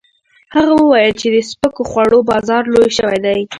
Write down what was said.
هغه وویل چې د سپکو خوړو بازار لوی شوی دی.